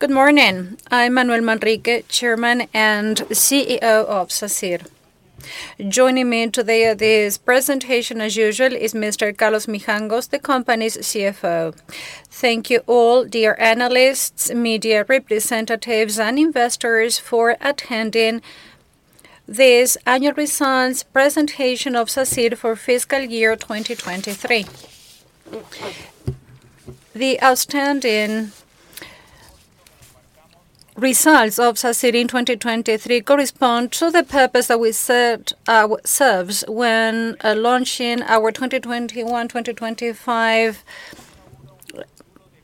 Good morning, I'm Manuel Manrique, Chairman and CEO of Sacyr. Joining me today at this presentation, as usual, is Mr. Carlos Mijangos, the company's CFO. Thank you all, dear analysts, media representatives, and investors for attending this annual results presentation of Sacyr for fiscal year 2023. The outstanding results of Sacyr in 2023 correspond to the purpose that we served, serves when launching our 2021-2025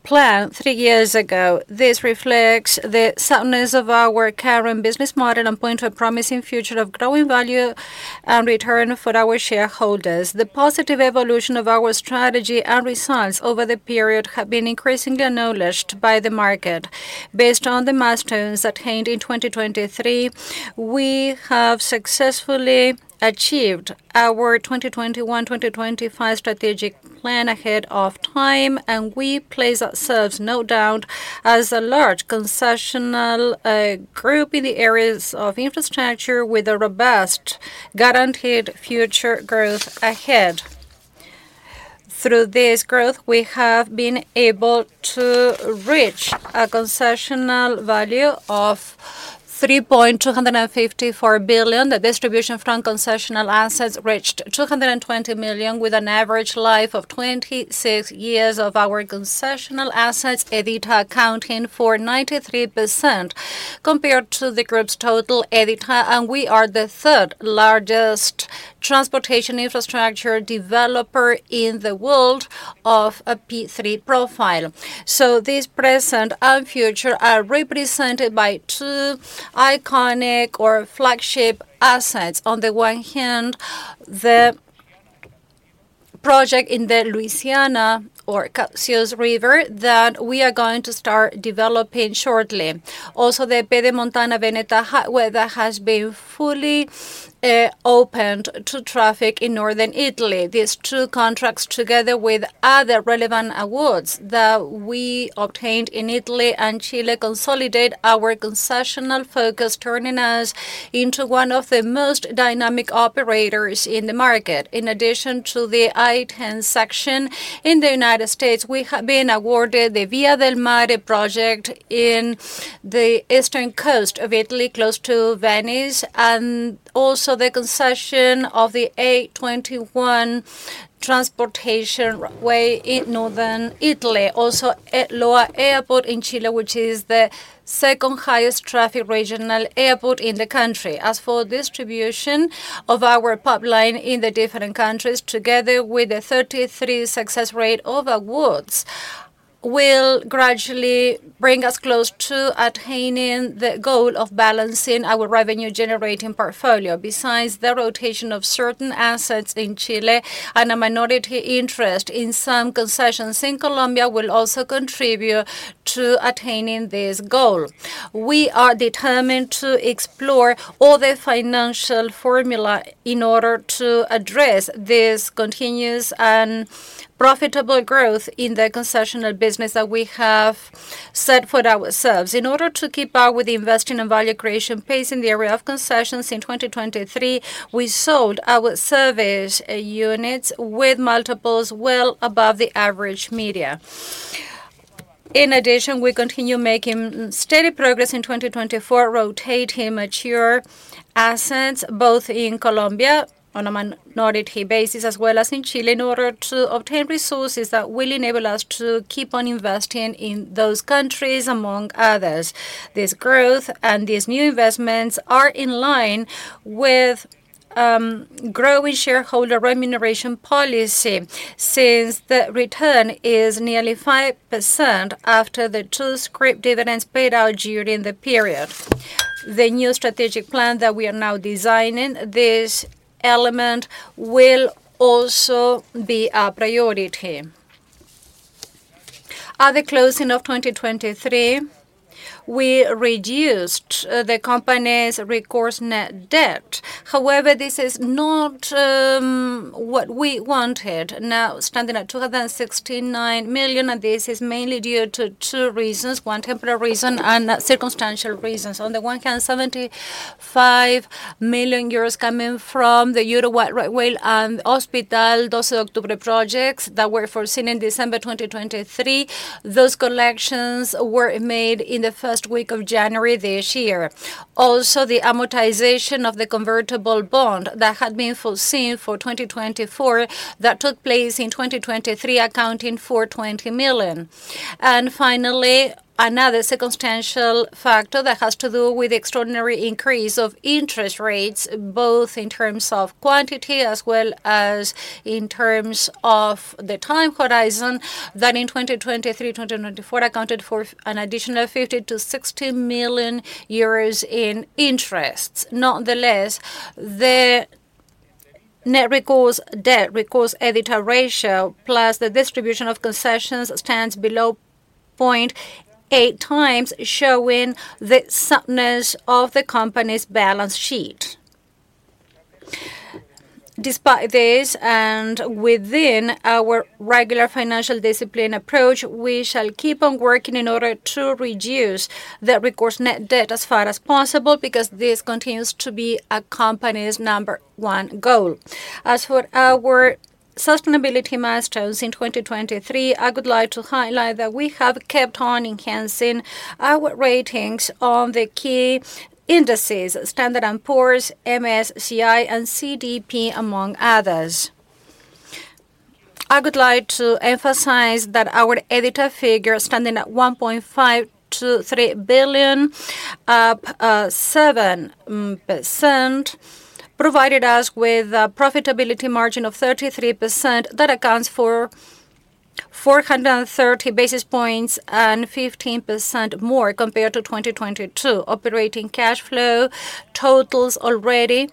plan three years ago. This reflects the soundness of our current business model and point to a promising future of growing value and return for our shareholders. The positive evolution of our strategy and results over the period have been increasingly acknowledged by the market. Based on the milestones attained in 2023, we have successfully achieved our 2021-2025 strategic plan ahead of time, and we place ourselves, no doubt, as a large concession, group in the areas of infrastructure with a robust, guaranteed future growth ahead. Through this growth, we have been able to reach a concession value of 3.254 billion. The distribution from concession assets reached 220 million, with an average life of 26 years of our concession assets, EBITDA accounting for 93% compared to the group's total EBITDA, and we are the third largest transportation infrastructure developer in the world of a P3 profile. So this present and future are represented by two iconic or flagship assets. On the one hand, the project in Louisiana, the Calcasieu River, that we are going to start developing shortly. Also, the Pedemontana Veneta Highway that has been fully opened to traffic in northern Italy. These two contracts, together with other relevant awards that we obtained in Italy and Chile, consolidate our concession focus, turning us into one of the most dynamic operators in the market. In addition to the I-10 section in the United States, we have been awarded the Via del Mare project in the eastern coast of Italy, close to Venice, and also the concession of the A-21 transportation way in northern Italy. Also, El Loa Airport in Chile, which is the second highest traffic regional airport in the country. As for distribution of our pipeline in the different countries, together with a 33% success rate of awards, will gradually bring us close to attaining the goal of balancing our revenue-generating portfolio. Besides the rotation of certain assets in Chile and a minority interest in some concessions in Colombia will also contribute to attaining this goal. We are determined to explore all the financial formula in order to address this continuous and profitable growth in the concessional business that we have set for ourselves. In order to keep up with the investing and value creation pace in the area of concessions in 2023, we sold our service units with multiples well above the average media. In addition, we continue making steady progress in 2024, rotating mature assets, both in Colombia on a minority basis, as well as in Chile, in order to obtain resources that will enable us to keep on investing in those countries, among others. This growth and these new investments are in line with growing shareholder remuneration policy, since the return is nearly 5% after the two scrip dividends paid out during the period. The new strategic plan that we are now designing, this element will also be a priority. At the closing of 2023, we reduced the company's recourse net debt. However, this is not what we wanted. Now, standing at 269 million, and this is mainly due to two reasons, one temporary reason and circumstantial reasons. On the one hand, 75 million euros coming from the Uruguay Rail and Hospital Doce de Octubre projects that were foreseen in December 2023. Those collections were made in the first week of January this year. Also, the amortization of the convertible bond that had been foreseen for 2024, that took place in 2023, accounting for 20 million. And finally, another circumstantial factor that has to do with the extraordinary increase of interest rates, both in terms of quantity as well as in terms of the time horizon, that in 2023-2024 accounted for an additional 50-60 million euros in interest. Nonetheless, the net recourse debt to EBITDA ratio, plus the distribution of concessions, stands below 0.8x, showing the soundness of the company's balance sheet. Despite this, and within our regular financial discipline approach, we shall keep on working in order to reduce the recourse net debt as far as possible, because this continues to be the company's number one goal. As for our sustainability milestones in 2023, I would like to highlight that we have kept on enhancing our ratings on the key indices, Standard & Poor's, MSCI, and CDP, among others. I would like to emphasize that our EBITDA figure, standing at 1.523 billion, up seven percent, provided us with a profitability margin of 33%. That accounts for 430 basis points and 15% more compared to 2022. Operating cash flow totals already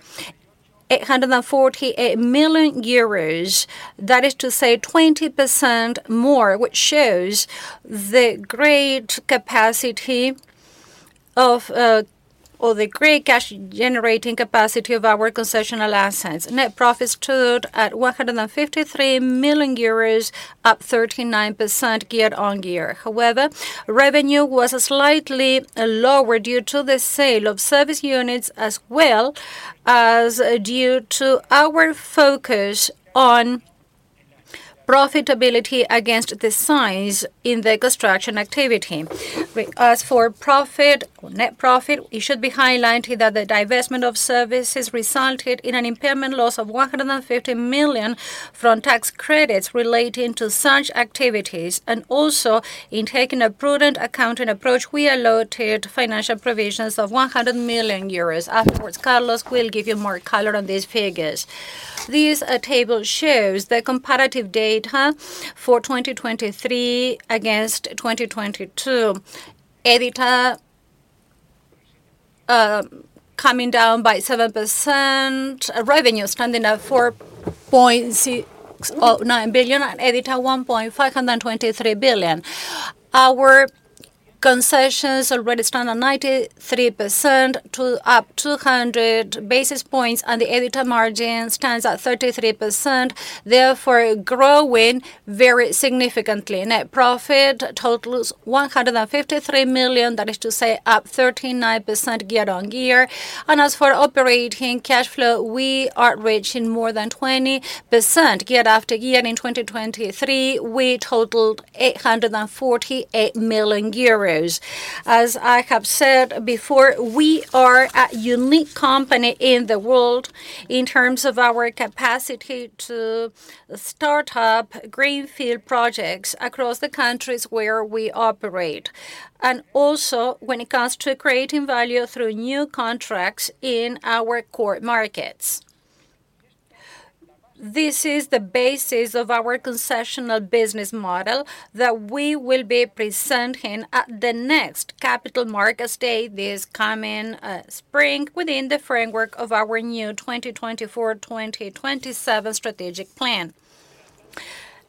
848 million euros. That is to say, 20% more, which shows the great capacity of, or the great cash generating capacity of our concessional assets. Net profit stood at 153 million euros, up 39% year on year. However, revenue was slightly lower due to the sale of service units, as well as due to our focus on profitability against the size in the construction activity. As for profit, net profit, it should be highlighted that the divestment of services resulted in an impairment loss of 150 million from tax credits relating to such activities, and also in taking a prudent accounting approach, we allotted financial provisions of 100 million euros. Afterwards, Carlos will give you more color on these figures. This table shows the comparative data for 2023 against 2022. EBITDA coming down by 7%, revenue standing at 4.609 billion, and EBITDA, 1.523 billion. Our concessions already stand at 93%, up 200 basis points, and the EBITDA margin stands at 33%, therefore growing very significantly. Net profit totals 153 million, that is to say, up 39% year on year. And as for operating cash flow, we are reaching more than 20% year after year. In 2023, we totaled 848 million euros. As I have said before, we are a unique company in the world in terms of our capacity to start up greenfield projects across the countries where we operate, and also when it comes to creating value through new contracts in our core markets. This is the basis of our concessional business model that we will be presenting at the next Capital Markets Day, this coming spring, within the framework of our new 2024/2027 strategic plan.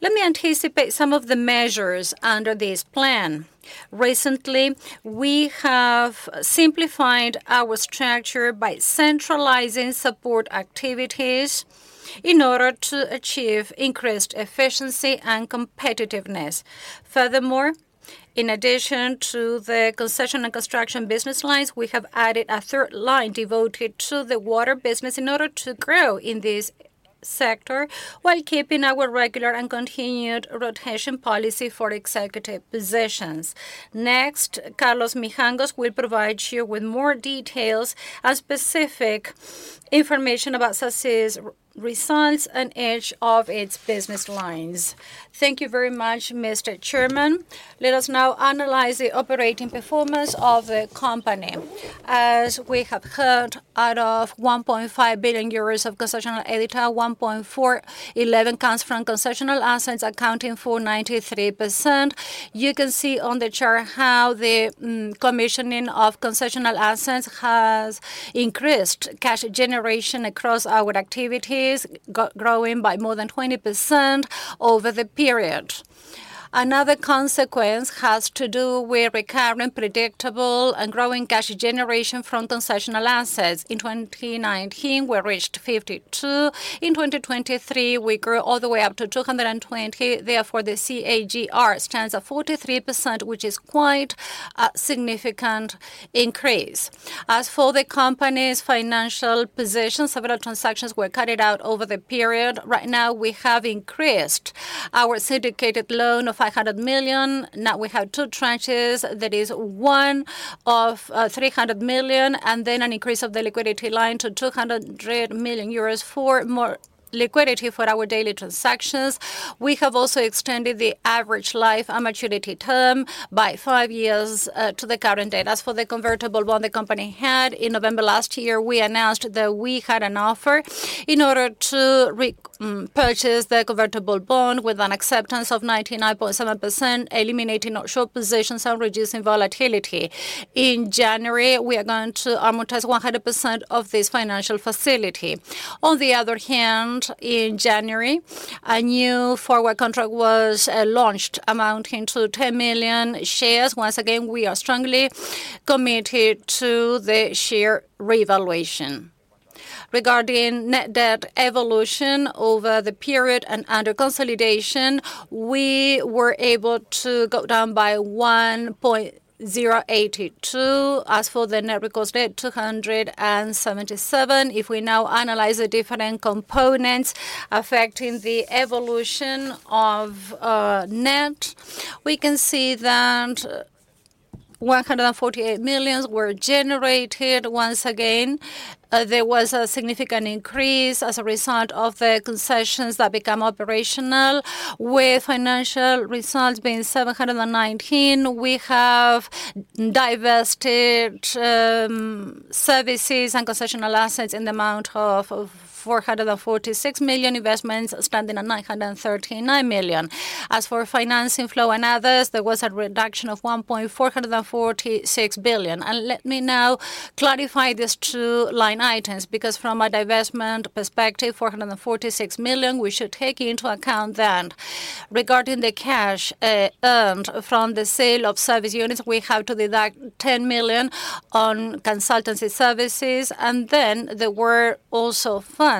Let me anticipate some of the measures under this plan. Recently, we have simplified our structure by centralizing support activities in order to achieve increased efficiency and competitiveness. Furthermore, in addition to the concession and construction business lines, we have added a third line devoted to the water business in order to grow in this sector, while keeping our regular and continued rotation policy for executive positions. Next, Carlos Mijangos will provide you with more details and specific information about Sacyr's results and each of its business lines. Thank you very much, Mr. Chairman. Let us now analyze the operating performance of the company. As we have heard, out of 1.5 billion euros of concessional EBITDA, 1.411 comes from concessional assets, accounting for 93%. You can see on the chart how the commissioning of concession assets has increased cash generation across our activities, growing by more than 20% over the period. Another consequence has to do with recurrent, predictable, and growing cash generation from concession assets. In 2019, we reached 52. In 2023, we grew all the way up to 220. Therefore, the CAGR stands at 43%, which is quite a significant increase. As for the company's financial position, several transactions were carried out over the period. Right now, we have increased our syndicated loan of 500 million. Now we have two tranches. That is one of 300 million, and then an increase of the liquidity line to 200 million euros for more liquidity for our daily transactions. We have also extended the average life and maturity term by 5 years to the current date. As for the convertible bond the company had, in November last year, we announced that we had an offer in order to repurchase the convertible bond with an acceptance of 99.7%, eliminating short positions and reducing volatility. In January, we are going to amortize 100% of this financial facility. On the other hand, in January, a new forward contract was launched, amounting to 10 million shares. Once again, we are strongly committed to the share revaluation.... Regarding net debt evolution over the period and under consolidation, we were able to go down by 1.082. As for the net recourse debt, 277 million. If we now analyze the different components affecting the evolution of, net, we can see that 148 million were generated. Once again, there was a significant increase as a result of the concessions that become operational, with financial results being 719 million. We have divested, services and concessional assets in the amount of, of 446 million investments, standing at 939 million. As for financing flow and others, there was a reduction of 1.446 billion. Let me now clarify these two line items, because from a divestment perspective, 446 million, we should take into account that regarding the cash earned from the sale of service units, we have to deduct 10 million on consultancy services, and then there were also funds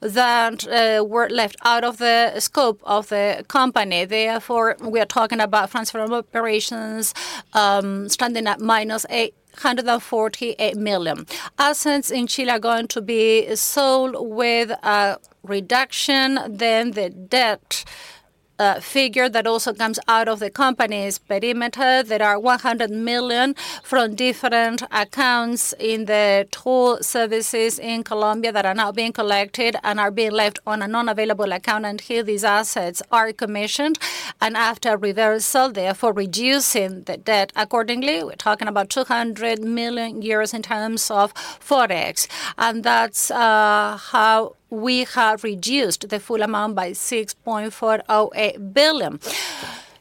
that were left out of the scope of the company. Therefore, we are talking about transfer of operations standing at -848 million. Assets in Chile are going to be sold with a reduction. Then the debt figure that also comes out of the company's perimeter, there are 100 million from different accounts in the toll services in Colombia that are now being collected and are being left on a non-available account, and here these assets are commissioned and have to be sold, therefore, reducing the debt accordingly. We're talking about 200 million in terms of FFO, and that's how we have reduced the full amount by 6.408 billion.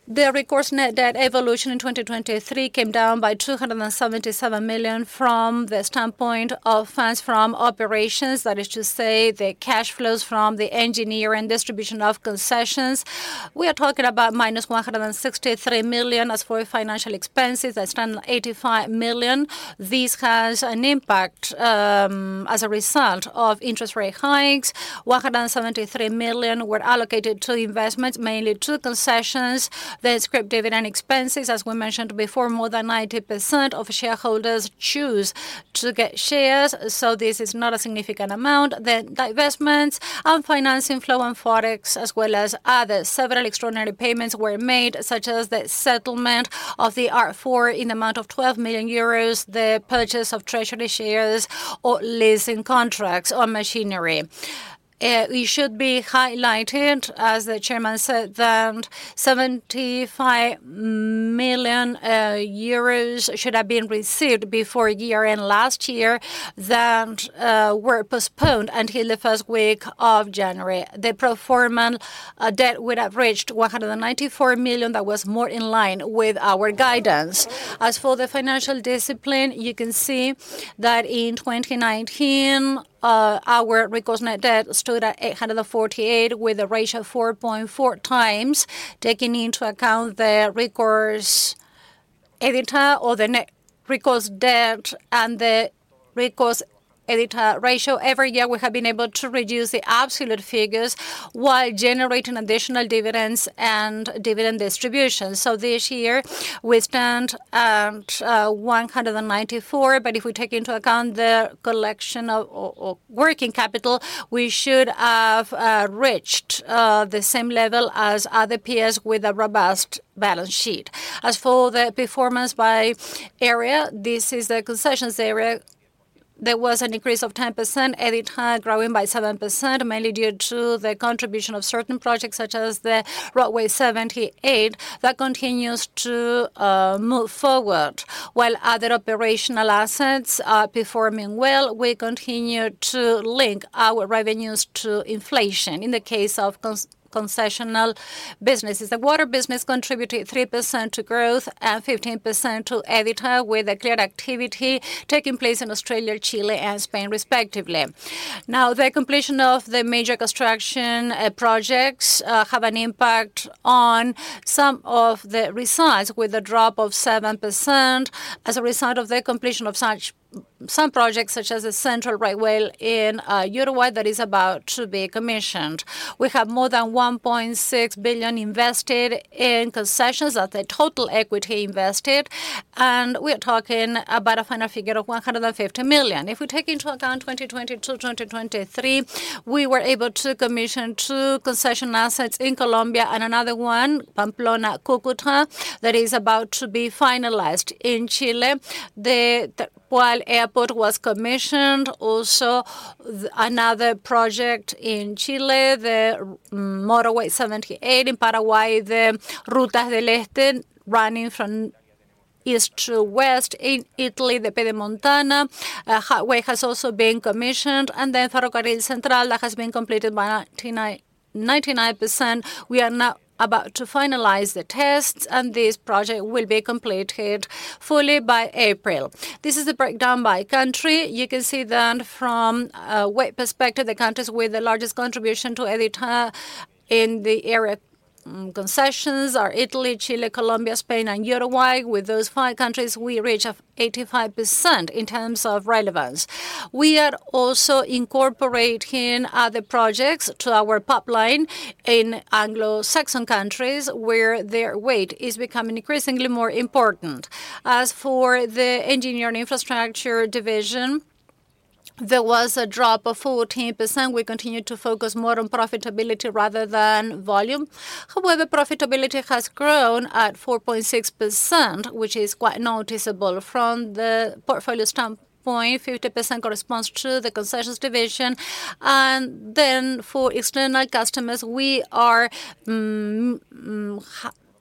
The recourse net debt evolution in 2023 came down by 277 million from the standpoint of funds from operations. That is to say, the cash flows from the engineering and construction of concessions. We are talking about -163 million. As for financial expenses, that's 85 million. This has an impact as a result of interest rate hikes. 173 million were allocated to investments, mainly to concessions. The scrip dividend expenses, as we mentioned before, more than 90% of shareholders choose to get shares, so this is not a significant amount. The divestments and financing flow and FFO, as well as others. Several extraordinary payments were made, such as the settlement of the R4 in the amount of 12 million euros, the purchase of treasury shares or leasing contracts or machinery. It should be highlighted, as the chairman said, that 75 million euros should have been received before year-end last year, that were postponed until the first week of January. The pro forma debt would have reached 194 million. That was more in line with our guidance. As for the financial discipline, you can see that in 2019, our recourse net debt stood at 848 million, with a ratio of 4.4 times. Taking into account the recourse EBITDA, or the net recourse debt and the recourse EBITDA ratio, every year, we have been able to reduce the absolute figures while generating additional dividends and dividend distribution. So this year we stand at 194, but if we take into account the collection of working capital, we should have reached the same level as other peers with a robust balance sheet. As for the performance by area, this is the concessions area. There was an increase of 10%, EBITDA growing by 7%, mainly due to the contribution of certain projects, such as the Ruta 78, that continues to move forward. While other operational assets are performing well, we continue to link our revenues to inflation in the case of concessional businesses. The water business contributed 3% to growth and 15% to EBITDA, with a clear activity taking place in Australia, Chile and Spain, respectively. Now, the completion of the major construction projects have an impact on some of the results, with a drop of 7% as a result of the completion of some projects, such as the central railway in Uruguay, that is about to be commissioned. We have more than 1.6 billion invested in concessions, that the total equity invested, and we are talking about a final figure of 150 million. If we take into account 2020 to 2023, we were able to commission two concession assets in Colombia and another one, Pamplona-Cúcuta, that is about to be finalized. In Chile, the El Tepual Airport was commissioned. Also, another project in Chile, the motorway 78. In Paraguay, the Ruta del Este, running from east to west. In Italy, the Pedemontana highway has also been commissioned, and then Ferrocarril Central, that has been completed by 99%, 99%. We are now about to finalize the tests, and this project will be completed fully by April. This is the breakdown by country. You can see that from a weight perspective, the countries with the largest contribution to EBITDA in the concessions are Italy, Chile, Colombia, Spain, and Uruguay. With those five countries, we reach 85% in terms of relevance. We are also incorporating other projects to our pipeline in Anglo-Saxon countries, where their weight is becoming increasingly more important. As for the engineering infrastructure division, there was a drop of 14%. We continued to focus more on profitability rather than volume. However, profitability has grown at 4.6%, which is quite noticeable from the portfolio standpoint. 50% corresponds to the concessions division, and then for external customers, we are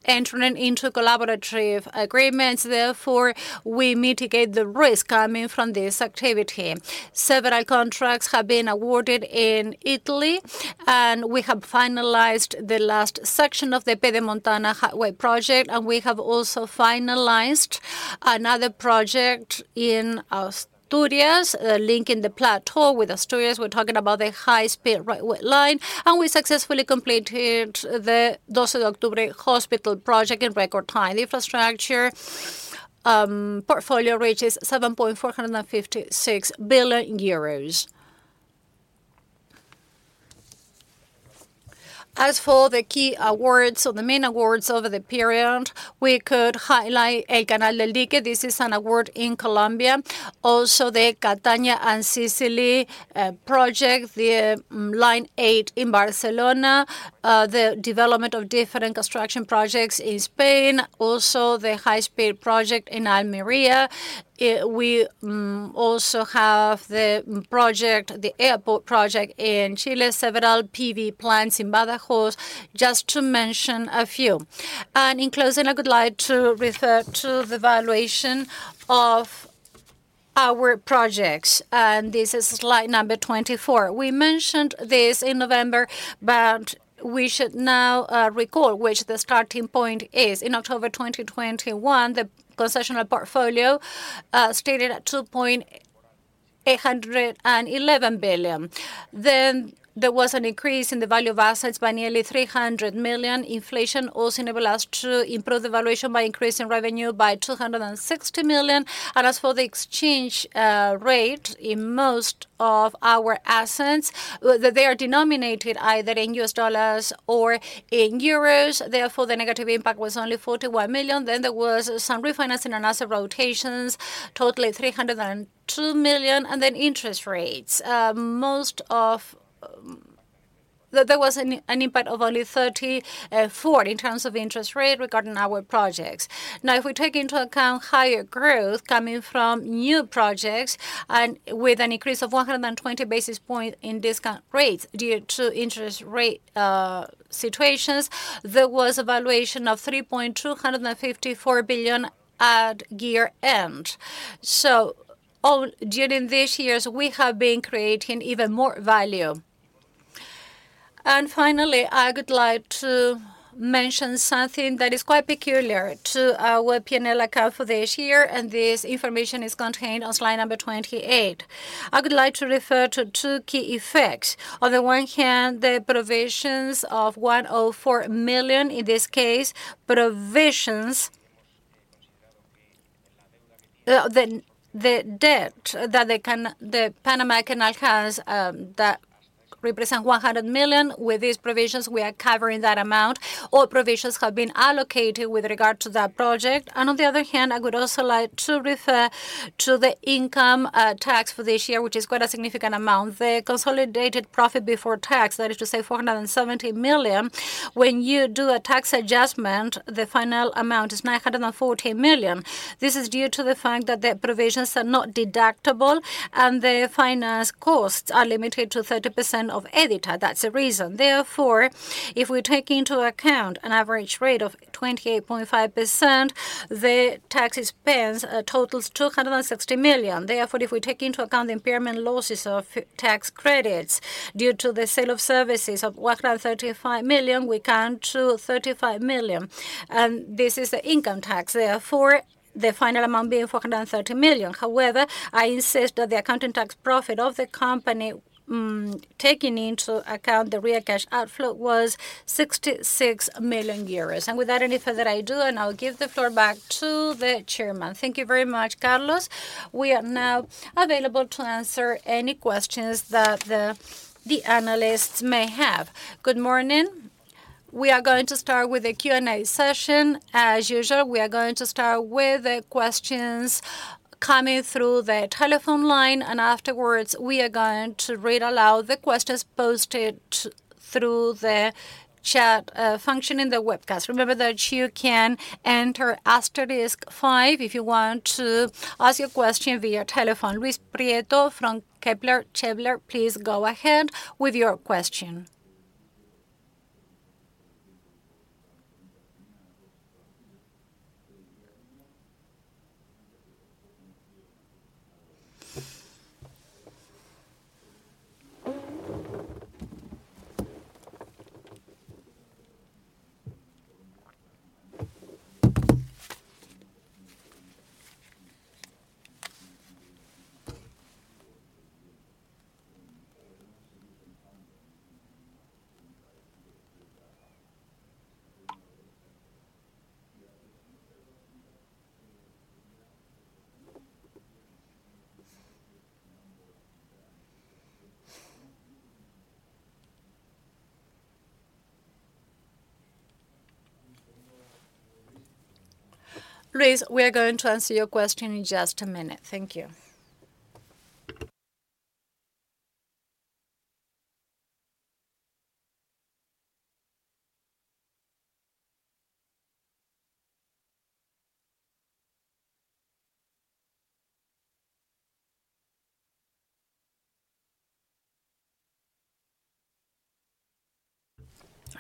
entering into collaborative agreements. Therefore, we mitigate the risk coming from this activity. Several contracts have been awarded in Italy, and we have finalized the last section of the Pedemontana highway project, and we have also finalized another project in Asturias, linking the plateau with Asturias. We're talking about the high-speed railway line, and we successfully completed the Doce de Octubre hospital project in record time. Infrastructure portfolio reaches EUR 7.456 billion. As for the key awards or the main awards over the period, we could highlight El Canal del Dique. This is an award in Colombia. Also, the Catania and Sicily project, the Line 8 in Barcelona, the development of different construction projects in Spain, also the high-speed project in Almería. We also have the project, the airport project in Chile, several PV plants in Badajoz, just to mention a few. In closing, I would like to refer to the valuation of our projects, and this is slide number 24. We mentioned this in November, but we should now recall which the starting point is. In October 2021, the concession portfolio stated at 2.811 billion. Then there was an increase in the value of assets by nearly 300 million. Inflation also enabled us to improve the valuation by increasing revenue by 260 million. As for the exchange rate, in most of our assets, they are denominated either in U.S. dollars or in euros. Therefore, the negative impact was only 41 million. Then there was some refinancing and asset rotations, totaling 302 million, and then interest rates. There was an impact of only 34 in terms of interest rate regarding our projects. Now, if we take into account higher growth coming from new projects and with an increase of 120 basis points in discount rates due to interest rate situations, there was a valuation of 3.254 billion at year-end. So all during these years, we have been creating even more value. And finally, I would like to mention something that is quite peculiar to our P&L account for this year, and this information is contained on slide number 28. I would like to refer to two key effects. On the one hand, the provisions of 104 million, in this case, provisions... the debt that the Panama Canal has, that represent 100 million. With these provisions, we are covering that amount, or provisions have been allocated with regard to that project. And on the other hand, I would also like to refer to the income tax for this year, which is quite a significant amount. The consolidated profit before tax, that is to say, 470 million, when you do a tax adjustment, the final amount is 940 million. This is due to the fact that the provisions are not deductible, and the finance costs are limited to 30% of EBITDA. That's the reason. Therefore, if we take into account an average rate of 28.5%, the tax expense totals 260 million. Therefore, if we take into account the impairment losses of tax credits due to the sale of services of 135 million, we come to 35 million, and this is the income tax. Therefore, the final amount being 430 million. However, I insist that the accounting tax profit of the company, taking into account the real cash outflow, was 66 million euros. And without anything further ado, and I'll give the floor back to the chairman. Thank you very much, Carlos. We are now available to answer any questions that the analysts may have. Good morning. We are going to start with the Q&A session. As usual, we are going to start with the questions coming through the telephone line, and afterwards, we are going to read aloud the questions posted through the chat function in the webcast. Remember that you can enter asterisk five if you want to ask your question via telephone. Luis Prieto from Kepler Cheuvreux, please go ahead with your question. Luis, we are going to answer your question in just a minute. Thank you.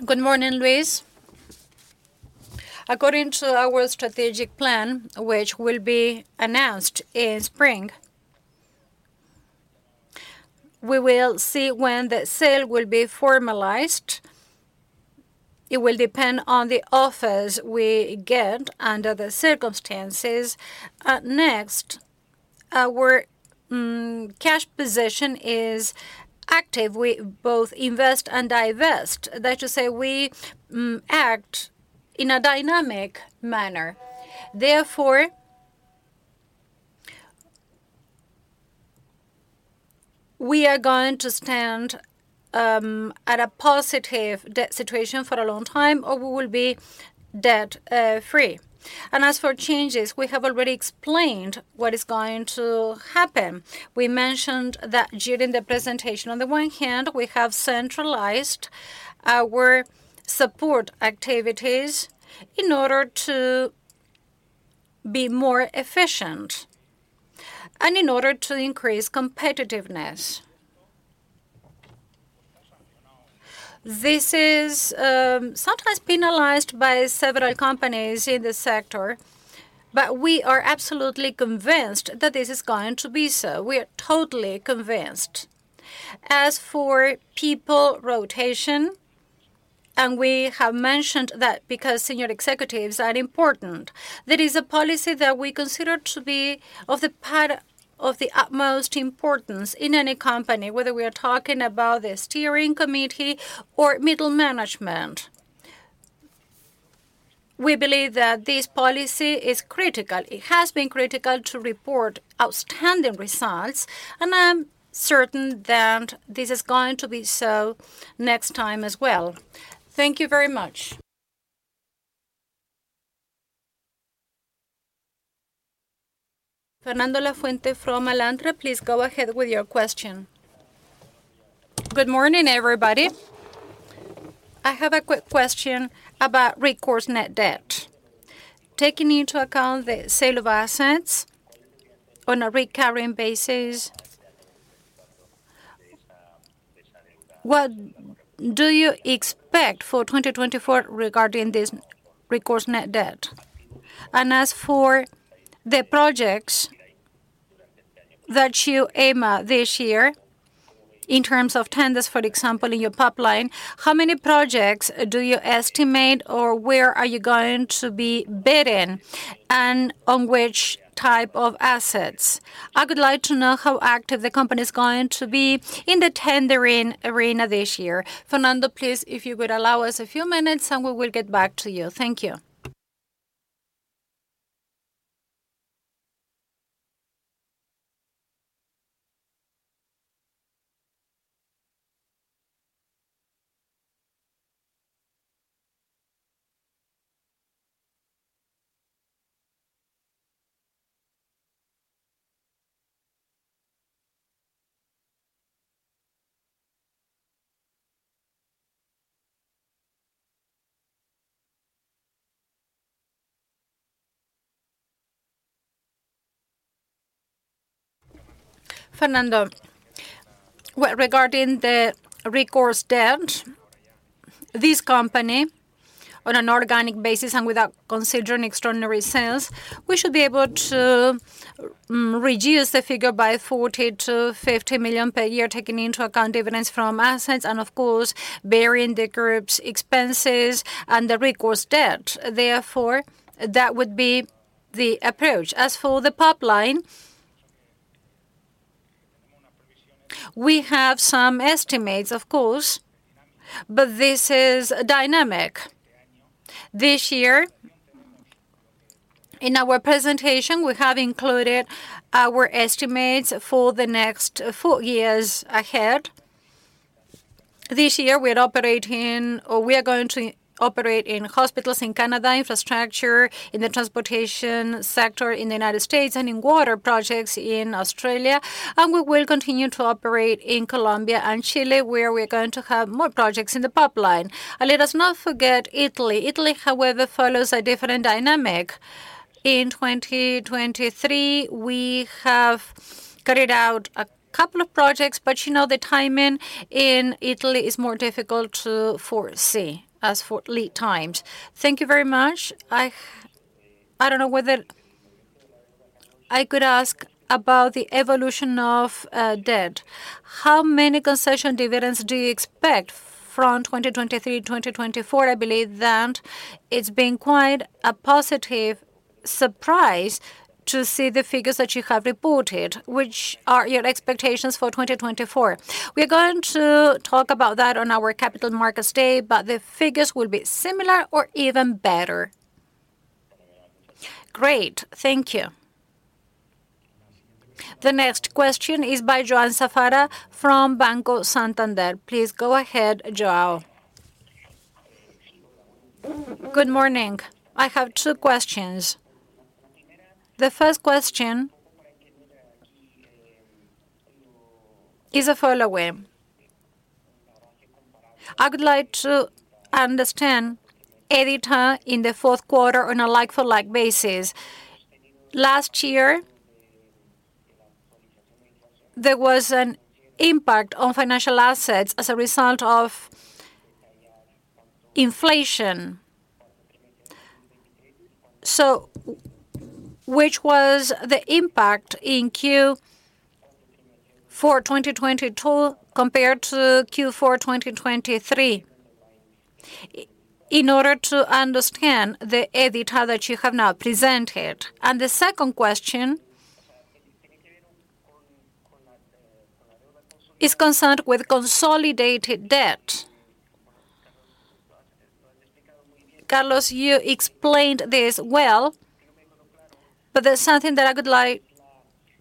Good morning, Luis. According to our strategic plan, which will be announced in spring, we will see when the sale will be formalized. It will depend on the offers we get under the circumstances. Next, our cash position is active. We both invest and divest. That is to say, we act in a dynamic manner. Therefore, we are going to stand at a positive debt situation for a long time, or we will be debt free. As for changes, we have already explained what is going to happen. We mentioned that during the presentation. On the one hand, we have centralized our support activities in order to be more efficient and in order to increase competitiveness. This is sometimes penalized by several companies in the sector, but we are absolutely convinced that this is going to be so. We are totally convinced. As for people rotation, and we have mentioned that because senior executives are important, that is a policy that we consider to be of the part of the utmost importance in any company, whether we are talking about the steering committee or middle management. We believe that this policy is critical. It has been critical to report outstanding results, and I'm certain that this is going to be so next time as well. Thank you very much. Fernando Lafuente from Alantra, please go ahead with your question. Good morning, everybody. I have a quick question about Net Recourse Debt. Taking into account the sale of assets on a recurring basis, what do you expect for 2024 regarding this Net Recourse Debt? And as for the projects that you aim at this year, in terms of tenders, for example, in your pipeline, how many projects do you estimate, or where are you going to be bidding, and on which type of assets? I would like to know how active the company is going to be in the tendering arena this year. Fernando, please, if you would allow us a few minutes, and we will get back to you. Thank you. Fernando, well, regarding the recourse debt, this company, on an organic basis and without considering extraordinary sales, we should be able to reduce the figure by 40-50 million per year, taking into account dividends from assets and of course, bearing the group's expenses and the recourse debt. Therefore, that would be the approach. As for the pipeline, we have some estimates, of course, but this is dynamic. This year, in our presentation, we have included our estimates for the next four years ahead. This year, we are operating, or we are going to operate in hospitals in Canada, infrastructure, in the transportation sector in the United States, and in water projects in Australia, and we will continue to operate in Colombia and Chile, where we are going to have more projects in the pipeline. And let us not forget Italy. Italy, however, follows a different dynamic. In 2023, we have carried out a couple of projects, but you know, the timing in Italy is more difficult to foresee as for lead times. Thank you very much. I, I don't know whether I could ask about the evolution of debt. How many concession dividends do you expect from 2023, 2024? I believe that it's been quite a positive year. Surprised to see the figures that you have reported. Which are your expectations for 2024? We're going to talk about that on our Capital Markets Day, but the figures will be similar or even better. Great, thank you. The next question is by João Safara from Banco Santander. Please go ahead, João. Good morning. I have two questions. The first question is the following: I would like to understand EBITDA in the fourth quarter on a like-for-like basis. Last year, there was an impact on financial assets as a result of inflation. So which was the impact in Q4 2022 compared to Q4 2023, in order to understand the EBITDA that you have now presented? And the second question is concerned with consolidated debt. Carlos, you explained this well, but there's something that I would like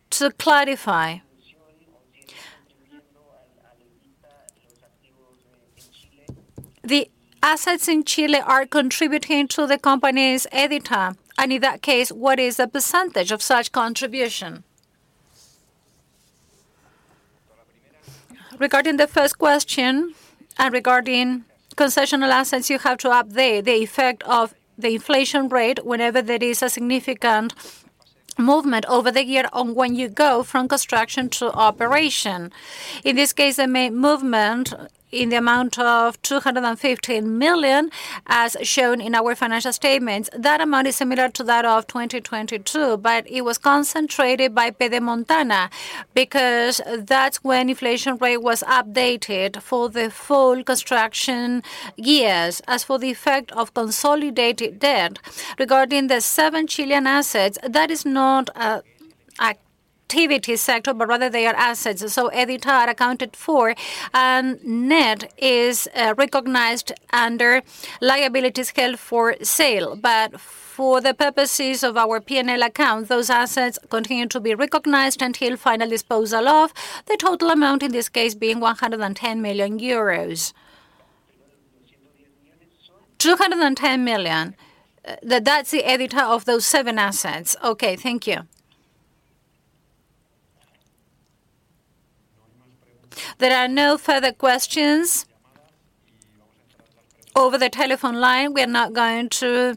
to clarify. The assets in Chile are contributing to the company's EBITDA, and in that case, what is the percentage of such contribution? Regarding the first question and regarding concession assets, you have to update the effect of the inflation rate whenever there is a significant movement over the year on when you go from construction to operation. In this case, the movement in the amount of 215 million, as shown in our financial statements, that amount is similar to that of 2022, but it was concentrated by Pedemontana, because that's when inflation rate was updated for the full construction years. As for the effect of consolidated debt, regarding the seven Chilean assets, that is not an activity sector, but rather they are assets. So EBITDA accounted for, and net is, recognized under liabilities held for sale. But for the purposes of our P&L account, those assets continue to be recognized until final disposal of the total amount, in this case, being 110 million euros. 210 million. That, that's the EBITDA of those seven assets. Okay, thank you. There are no further questions over the telephone line. We are now going to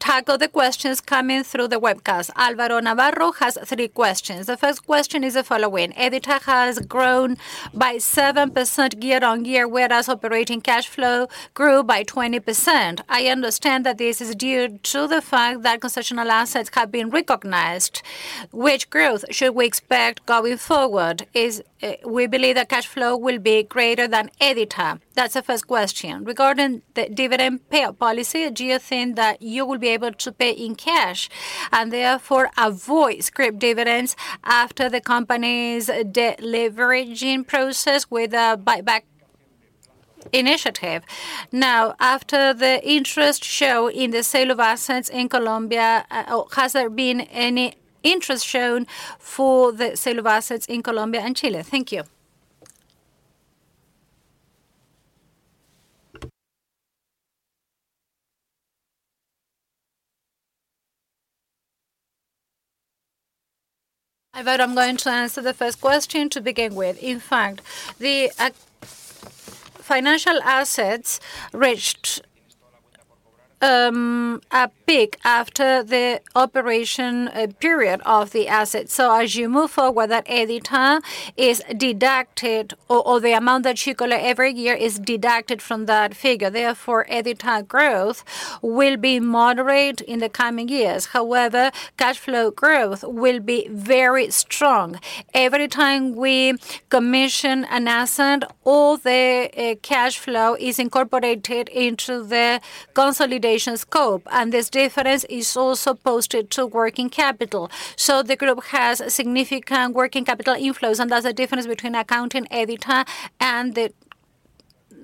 tackle the questions coming through the webcast. Álvaro Navarro has three questions. The first question is the following: EBITDA has grown by 7% year-on-year, whereas operating cash flow grew by 20%. I understand that this is due to the fact that concessional assets have been recognized. Which growth should we expect going forward? We believe that cash flow will be greater than EBITDA. That's the first question. Regarding the dividend payout policy, do you think that you will be able to pay in cash, and therefore avoid script dividends after the company's deleveraging process with a buyback initiative? Now, has there been any interest shown in the sale of assets in Colombia and Chile? Thank you. I thought I'm going to answer the first question to begin with. In fact, the financial assets reached a peak after the operation period of the assets. So as you move forward, that EBITDA is deducted, or the amount that you collect every year is deducted from that figure. Therefore, EBITDA growth will be moderate in the coming years. However, cash flow growth will be very strong. Every time we commission an asset, all the cash flow is incorporated into the consolidation scope, and this difference is also posted to working capital. So the group has significant working capital inflows, and there's a difference between accounting EBITDA and the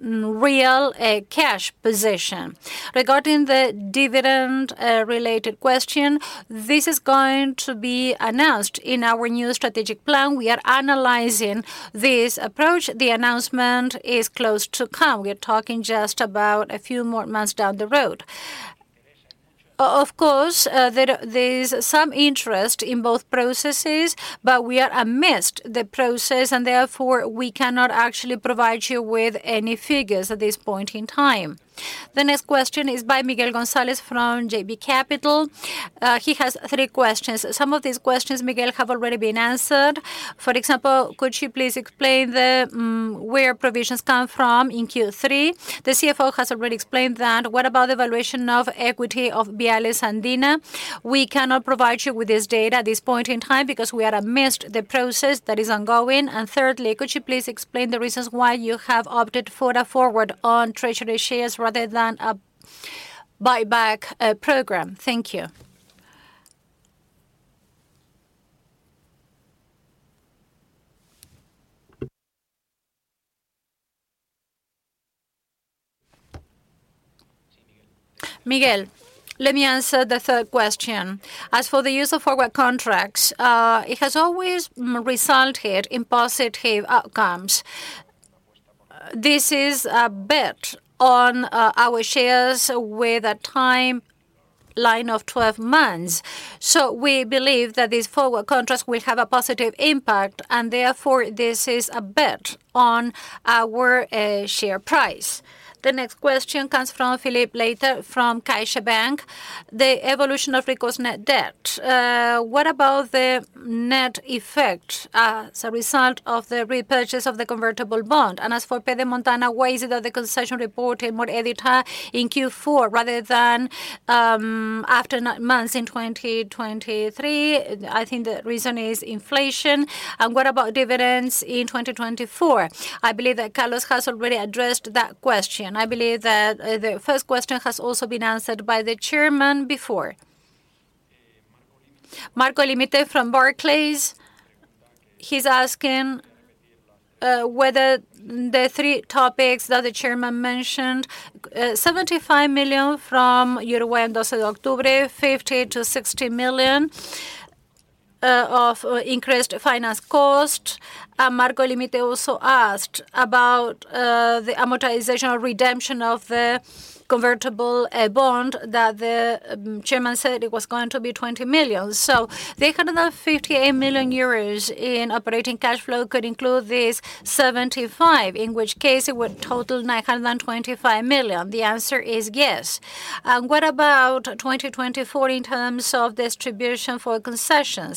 real cash position. Regarding the dividend related question, this is going to be announced in our new strategic plan. We are analyzing this approach. The announcement is close to come. We are talking just about a few more months down the road. Of course, there, there is some interest in both processes, but we are amidst the process, and therefore, we cannot actually provide you with any figures at this point in time. The next question is by Miguel González from JB Capital. He has three questions. Some of these questions, Miguel, have already been answered. For example, could you please explain the where provisions come from in Q3? The CFO has already explained that. What about the valuation of equity of Viales Andina? We cannot provide you with this data at this point in time because we are amidst the process that is ongoing. And thirdly, could you please explain the reasons why you have opted for a forward on treasury shares rather than a buyback program? Thank you.... Miguel, let me answer the third question. As for the use of forward contracts, it has always resulted in positive outcomes. This is a bet on our shares with a timeline of 12 months. So we believe that these forward contracts will have a positive impact, and therefore, this is a bet on our share price. The next question comes from Filipe Leite from CaixaBank. The evolution of Ferrovial's net debt. What about the net effect as a result of the repurchase of the convertible bond? And as for Pedemontana, why is it that the concession reported more EBITDA in Q4 rather than after 9 months in 2023? I think the reason is inflation. And what about dividends in 2024? I believe that Carlos has already addressed that question. I believe that, the first question has also been answered by the chairman before. Marco Limiti from Barclays, he's asking, whether the three topics that the chairman mentioned, 75 million from Uruguay and 12 de Octubre, 50-60 million of increased finance cost. And Marco Limiti also asked about, the amortization or redemption of the convertible, bond, that the, chairman said it was going to be 20 million. So the additional 58 million euros in operating cash flow could include this seventy-five, in which case it would total 925 million. The answer is yes. And what about 2024 in terms of distribution for concessions?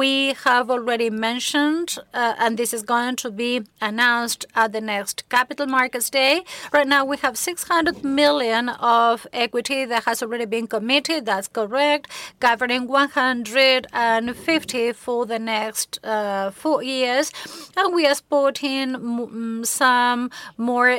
We have already mentioned, and this is going to be announced at the next Capital Markets Day. Right now, we have 600 million of equity that has already been committed, that's correct, governing 150 for the next 4 years, and we are spotting some more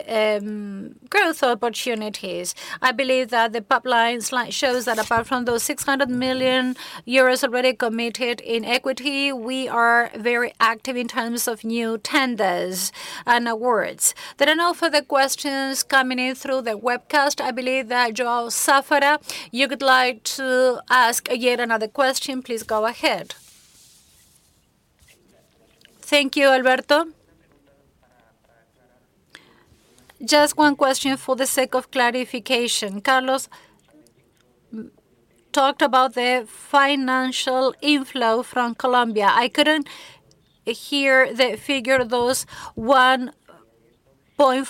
growth opportunities. I believe that the pipeline slide shows that apart from those 600 million euros already committed in equity, we are very active in terms of new tenders and awards. There are no further questions coming in through the webcast. I believe that João Safara, you would like to ask yet another question. Please go ahead. Thank you, Alberto. Just one question for the sake of clarification. Carlos talked about the financial inflow from Colombia. I couldn't hear the figure, those EUR 1.446 billion. Carlos,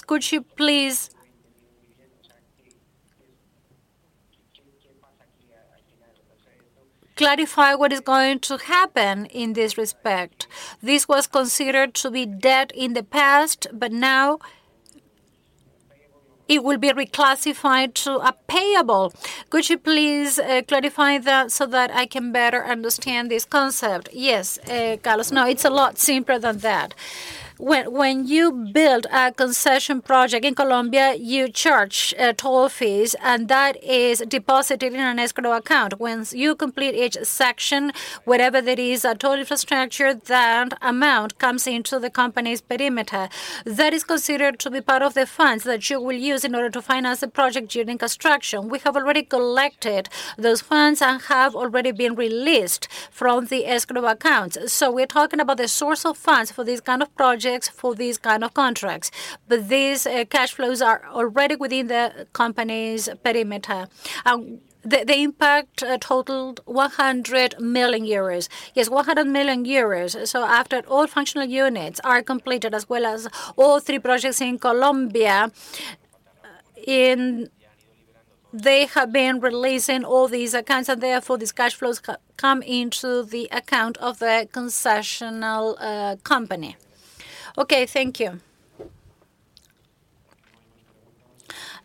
could you please clarify what is going to happen in this respect? This was considered to be debt in the past, but now it will be reclassified to a payable. Could you please clarify that so that I can better understand this concept? Yes, Carlos. No, it's a lot simpler than that. When you build a concession project in Colombia, you charge toll fees, and that is deposited in an escrow account. Once you complete each section, whatever that is, a toll infrastructure, that amount comes into the company's perimeter. That is considered to be part of the funds that you will use in order to finance the project during construction. We have already collected those funds and have already been released from the escrow accounts. So we're talking about the source of funds for these kind of projects, for these kind of contracts. But these cash flows are already within the company's perimeter. The impact totaled 100 million euros. Yes, 100 million euros. So after all functional units are completed, as well as all three projects in Colombia, they have been releasing all these accounts, and therefore, these cash flows come into the account of the concession company. Okay, thank you.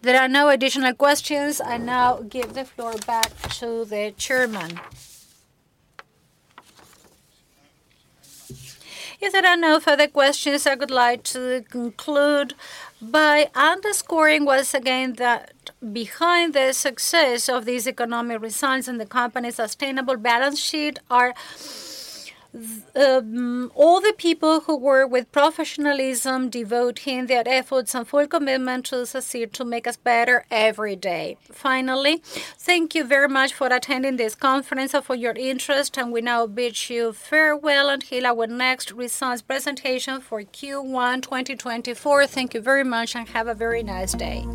There are no additional questions. I now give the floor back to the Chairman. If there are no further questions, I would like to conclude by underscoring once again that behind the success of these economic results and the company's sustainable balance sheet are all the people who work with professionalism, devoting their efforts and full commitment to succeed to make us better every day. Finally, thank you very much for attending this conference and for your interest, and we now bid you farewell until our next results presentation for Q1 2024. Thank you very much, and have a very nice day.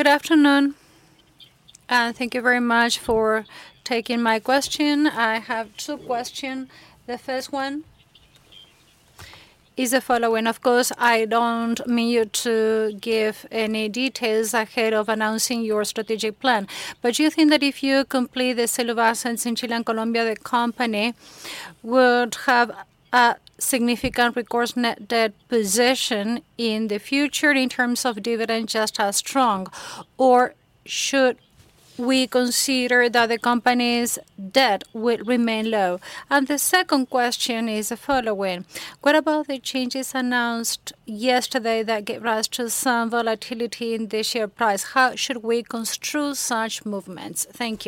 Good afternoon, and thank you very much for taking my question. I have two questions. The first one is the following: Of course, I don't mean you to give any details ahead of announcing your strategic plan, but do you think that if you complete the sale of assets in Chile and Colombia, the company would have a significant recourse net debt position in the future in terms of dividend, just as strong? Or should we consider that the company's debt will remain low? And the second question is the following: What about the changes announced yesterday that gave rise to some volatility in the share price? How should we construe such movements? Thank you.